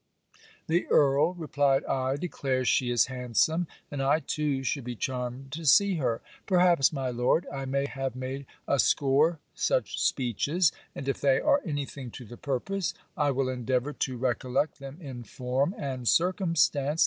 _' 'The Earl,' replied I, 'declares she is handsome, and I too should be charmed to see her. Perhaps, my Lord, I may have made a score such speeches, and if they are any thing to the purpose, I will endeavour to recollect them in form, and circumstance.